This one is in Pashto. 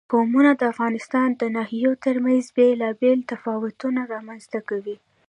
قومونه د افغانستان د ناحیو ترمنځ بېلابېل تفاوتونه رامنځ ته کوي.